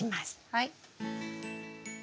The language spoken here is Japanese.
はい。